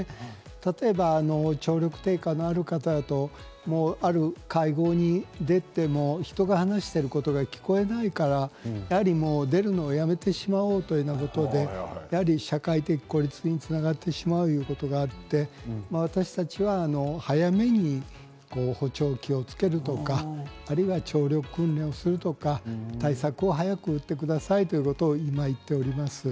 例えば、聴力低下のある方だとある会合に出ても人が話していることが聞こえないからやはり出るのをやめてしまおうとなる社会的孤立につながってしまうということがあって私たちは早めに補聴器をつけるとか聴力訓練をするとか対策を早く打ってくださいということを今、言っております。